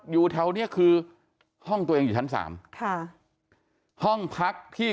อยู่แถวเนี้ยคือห้องตัวเองอยู่ชั้นสามค่ะห้องพักที่